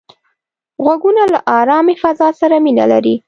غوږونه له آرامې فضا سره مینه لري